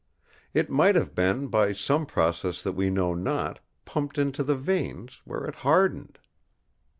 It might have been, by some process that we know not, pumped into the veins, where it hardened!"